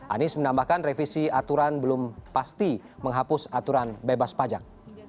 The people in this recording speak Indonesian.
anies menambahkan revisi aturan belum pasti menghapus aturan bebas pajak